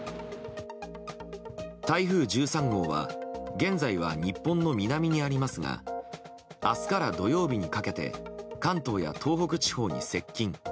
台風１３号は現在は日本の南にありますが明日から土曜日にかけて関東や東北地方に接近。